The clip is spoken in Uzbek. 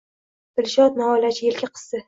Dilshod noiloj elka qisdi